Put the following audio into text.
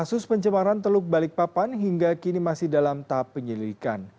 kasus pencemaran teluk balikpapan hingga kini masih dalam tahap penyelidikan